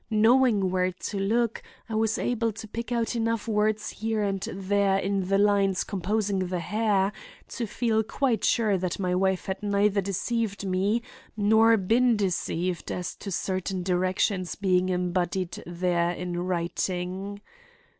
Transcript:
Knowing where to look, I was able to pick out enough words here and there in the lines composing the hair, to feel quite sure that my wife had neither deceived me nor been deceived as to certain directions being embodied there in writing.